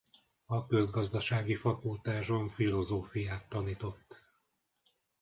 A Közgazdasági fakultáson filozófiát tanított.